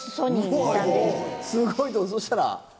すごいとこそしたら。